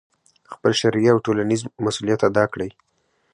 خپل شرعي او ټولنیز مسؤلیت ادا کړي،